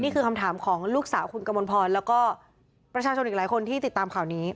คุณกมลพรแล้วก็ประชาชนอีกหลายคนที่ติดตามข่าวนี้